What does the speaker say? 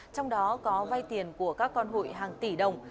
trong đó có vay tiền của các con hụi hàng tỷ đồng